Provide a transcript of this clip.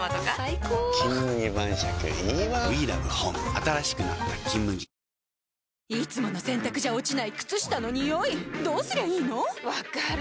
あふっいつもの洗たくじゃ落ちない靴下のニオイどうすりゃいいの⁉分かる。